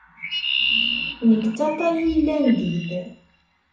Nekk d tataylandit.